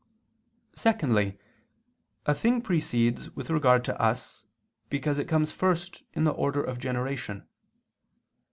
Secondly, a thing precedes with regard to us, because it comes first in the order of generation.